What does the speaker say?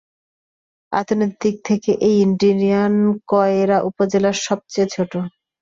আয়তনের দিক থেকে এই ইউনিয়ন কয়রা উপজেলার সবচেয়ে ছোট।